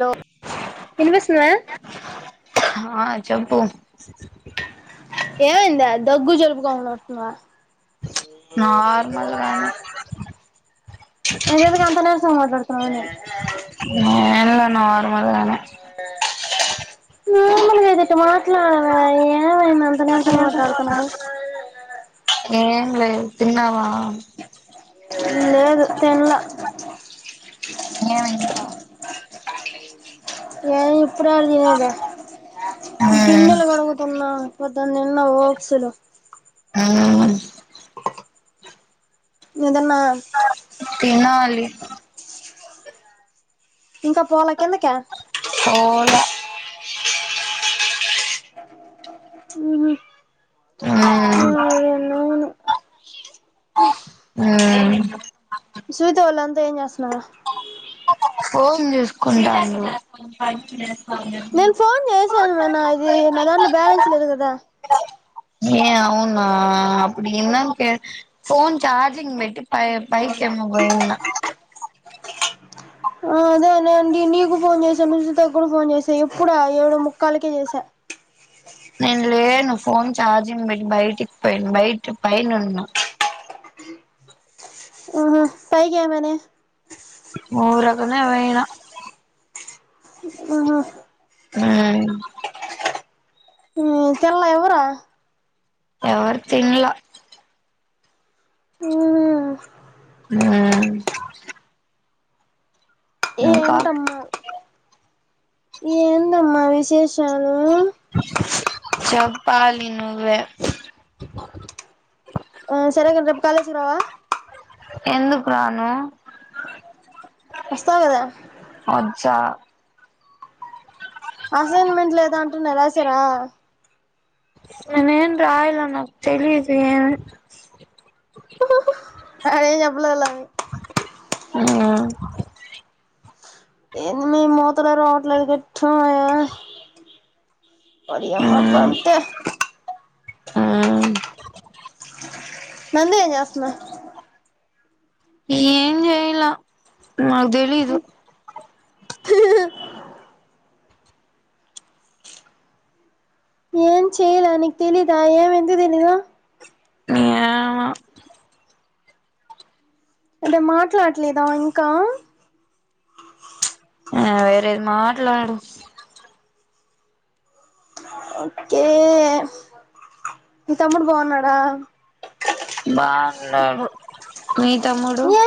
లో వినిపిస్తుందా ఆ చెప్పు ఏమైందా దగ్గు జలుబు గా ఉన్నట్టు ప్చ్ నార్మల్లానే అదెందుకు అంత నీరసంగా మాట్లాడుతున్నావ్ అని ఏం లే నార్మల్గానే. [inaudible] తిరుమల [unintelligible] [unintelligible] ఏమైంది అంత నిరసంగ మాట్లాడుతున్నావ్. ఏం లేదు తిన్నావా ఆ లేదు తిన్లా ఏమైంది నికా ఏం ఇప్పుడు ఎవరు తినేది మ్మ్ గిన్నెలు కడుగుతున్నా పొద్దున తిన్న ఓక్స్ లో ఆ నే పొద్దున్నా తినాలి ఇంకా పోలే కింద కా ఓలా ఊహూ హ్మ్ ఆ చూసే వాళ్ళంతా ఏం చేస్ నా ఫోన్ చుసుకుంటాను నేను ఫోన్ చేసాను నాన్న ఇది, నా దాంట్లో బ్యాలెన్స్ లేదు కదా ఏ అవునా అప్పుడు ఇందాకే ఫోన్ చార్జింగ్ పెట్టి పై పైకి ఏమో పోయిన ఆ అదేనండి నీకు ఫోన్ చేసా మురుచిత కూడా ఫోన్ చేసా ఎప్పుడు ఆ ఏడు ముక్కాలకే చేసా నేను లేను ఫోన్ ఛార్జింగ్ బెట్టి బయటికి పోయాను బయట పైనున్న ఆహ పైక మేనే ఊరగానే పోయిన ఆహా ఉమ్ మ్... తిన ఎవరు ఎవరి తినలే ఉహు మ్ ఏంటమ్మా ఎందమ్మా విశేషాలు చెప్పాలి నువ్వే ఆ సరే గాని రేపు కాలేజీ కి రావా ఎందుకు రాను వస్తావు కదా వచ్చా అసైన్మెంట్ లేదాంట న్.. రాసారా నేను ఎంరాయలే నాకు తెలీదు ఏ అదే ఏం చెపలేల ఔనా... ఎనిమి మూత్రల రావట్లేదు గట్టి ఉన్నాయా మరి అమ్మ బంతే ఆ.. నంది ఏం చేస్తున్న ఏం చెయ్యలా నాకు తెలియదు ఏం చేయలే నీకు తెలీదా ఏం ఎందుకు తెలీదు ఏమో అంటే మాట్లాడలేదా ఇంకా అదే రేపు మాట మాట్లాడు ఓకే.. మీ తమ్ముడు బాగున్నాడా బాగున్నారు మీ తముడు ఏ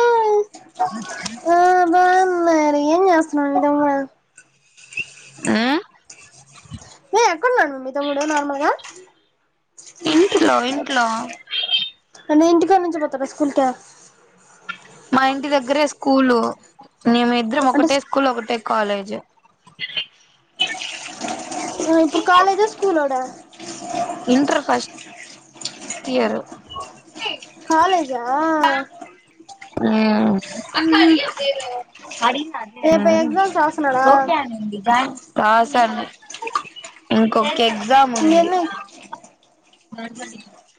ఆ బాగున్నారు ఏం చేస్తున్నాడు మీ తమ్ముడు ఆ.. ఏ.. ఎక్కడ ఉన్నాడు మీ తముడు నార్మల్ గా ఇంట్లో ఇంట్లో అన్నయ్య ఇంటికాడి నుంచి పోతాడా స్కూల్ ఇ మా ఇంటి దగ్గరే స్కూలు నిమిద్దరం అంటే ఒకటే స్కూల్ ఒకటే కాలేజ్ ఆ ఇప్పుడు కాలేజ్ ఆ స్కూల్లోడా స్ ఇంటర్ ఫస్ట్ టీ ఇయర్ కాలేజా ఆ అక్కా ఉహు అడిగియ ఎదో అడిగిన అంతే రేపు ఎగ్జామ్స్ రాస్తున్నాడా ఓకే అనింది రాస అండి ఇంకొకే ఎగ్జామ్ ఉంది ఎన్ని మా అన్న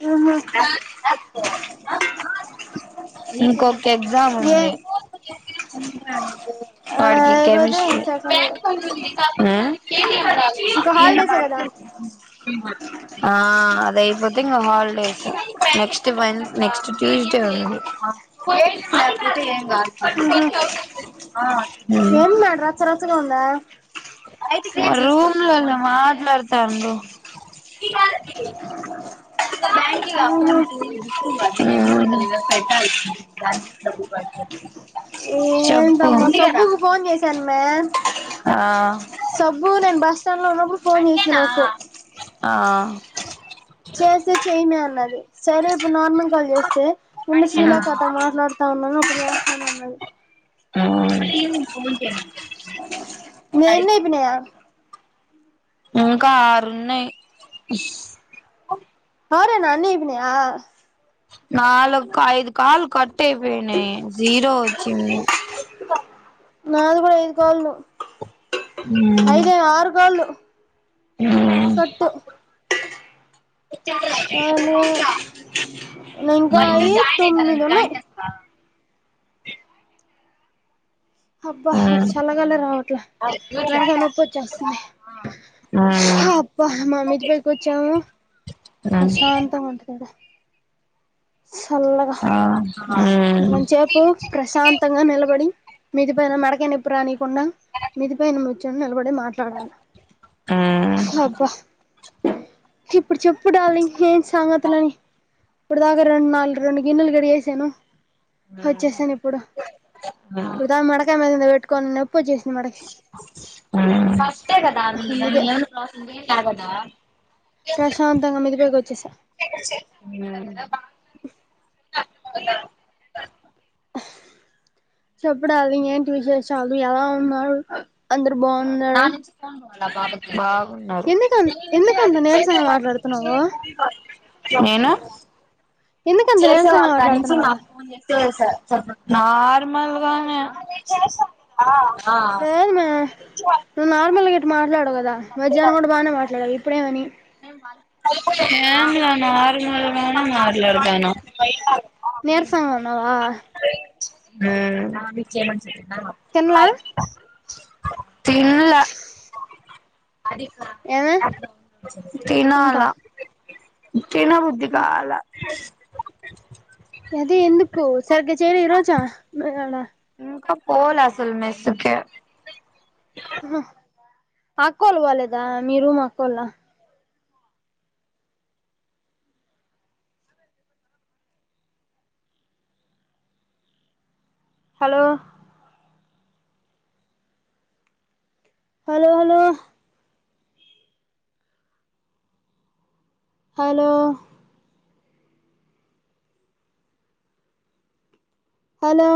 ఆహా ఆ చెప్పు ఇంకా ఎగ్జామ్ ఏ ఉంది [unintelligible] ఆ వాడికి రేపైతే కెమిస్ట్రీ సెకండ్ బ్యాంకు ఇయర్. పని ఉంది కాకపోతే ఆ నేను ఇంకా ఈయ్య హాలిడేసే కదా ఆ అయిపోతే ఇగ హాలిడేస్ నెక్స్ట్ నెక్స్ట్ ట్యూస్డే ఉంది ముహు ఏన్మాత్ర రాత్రకు ఉంద ఏంది ఆడ రచ్చరచ్చ గుంది రూమ్ల మాట్లాడతండ్రు బ్యాంకిలో ఉహు అకౌంట్ పెట్టాలె ఏంటమ్మా చెప్పు ఫొన్ చేశాను మే ఆ సబుద బస్ లో ఉన్నప్పుడు ఫోన్ చేసె నాకు ఆ చేస్తే చేయనీ అన్నది సరే ఇప్పుడు నార్మల్ కాల్ చేస్తే ముందు శ్రీలత తో మాట్లాడతాం ఈవినింగ్ ఫోన్ చేస్తే నీయన్నీ అయిపోయినయ ఇంకా ఆరున్నయి ఆరేనా అన్ని అయిపోనయ నాలుగుకి ఐదు కాలు కట్ ట్టే అయిపోనయి జీరో వచ్చింది నేన్ వేయి గలను ఉమ్ అయితె ఆరు కోళ్ళు పేట్టు అవును ఇంకా అయ్యే తొమ్మిదున్నయి అబ్బా ఉమ్ చల్లగాలే రావట్లే మేడకాయ్ నొప్పి వచ్చేస్తుంది ఉమ్ అబ్బా మా మీది పైకి వచ్చాము ఉమ్ ప్రశాంతంగా ఉంటుంది చల్లగా ఆ ఉమ్ రోంచెపు ప్రశాంతంగ నిలబడి మిద్ది పైన మేడకయ నొప్పి రానీకుండా మిద్ది పైన కూర్చొని నిలబడ మాట్లాడాల అబ్బ ఇప్పుడు చప్పు డార్లింగ్ ఏం సంగతులు ప్పటిదాకా రెండు నాలుగు రెండు గిన్నలు కడిగేసాను. ఉమ్ వచ్చేసాను ఇప్పుడు ఇప్పుడుదా మేడక మీ ఇడ వెట్టుకొన్నెవ్ ఫస్టె కదా మీ అందుకే [unintelligible] ఏం కాదు కదా ప్రశాంతంగా మెదిపైకి వచ్చేసా హ్ చెప్పు డార్లింగ్ ఏంటి విశేషాలు ఎలా ఉన్నారు. అందరు బావున్నార వాళ్ల పాపకి ఎనిమిది నుంచి ఎందుకు వాళ్ళు అంత చేసే నీరసంగా వాళ్ళు మాట్లాడుతున్నావు చేయ్యకుండ చేసేవాళ్లు కూడా, ఎందుకు అంత నీరసంగా చేసేవాళ్లు దాన్నుంచి మాట్లాడుతున్నావు మాకు ఫోన్ చేసే స్సార్ సర్ మాక్ మళ్ళి చేశాన్ కదా ఆ పిచ్చి పట్టిందా ముల్ గిట్ మాట్లాడవుకదా. మధ్యాహ్నం కూడా బానే మాట్లాడాలి. ఇప్పుడే అని ఏం లే ఆరుగురం మాట్లాడుతానం. నీరసంగా ఉన్నావా ఆ విచ్చేమచ్చే తిన్లా తినేల్ల అధికా ఏమి ఇంకా తినాలా తినబుద్దికాలే, అది ఎందుకు సరిగ్గా చేయాలే ఈ రోజు. కా పోలే అసలు మెస్ కే ఆహా అక్కోళ్ళు పోలేదా మీ రూమ్ అక్కళ్ళ hello. Hello, hello, hello, hello,